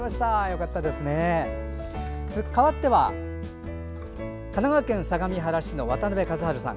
かわっては、神奈川県相模原市の渡邊一春さん。